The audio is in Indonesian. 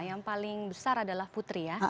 yang paling besar adalah putri ya